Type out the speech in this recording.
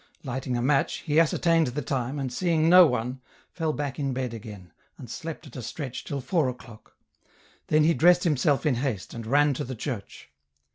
Lighting a match, he ascertained the time, and seeing no one, fell back in bed again, and slept at a stretch till four o'clock. Then he dressed himself in haste and ran to the church.